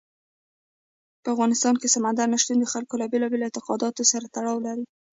په افغانستان کې سمندر نه شتون د خلکو له بېلابېلو اعتقاداتو سره تړاو لري.